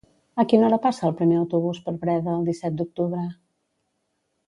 A quina hora passa el primer autobús per Breda el disset d'octubre?